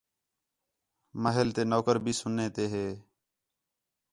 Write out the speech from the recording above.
محل تے نوکر بھی سُنّے تے ہِے